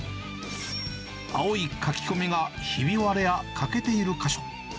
青い書き込みが、ひび割れや欠けている箇所。